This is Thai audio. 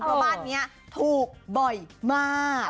บ้านนี้ถูกบ่อยมาก